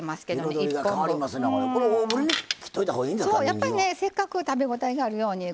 やっぱりねせっかく食べ応えがあるように。